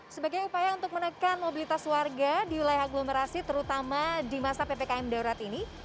sebagai upaya untuk menekan mobilitas warga di wilayah agglomerasi terutama di masa ppkm darurat ini